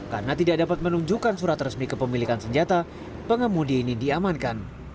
karena tidak dapat menunjukkan surat resmi kepemilikan senjata pengemudi ini diamankan